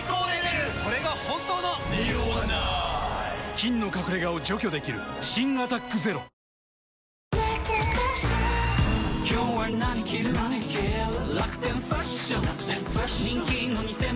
菌の隠れ家を除去できる新「アタックＺＥＲＯ」洗濯の悩み？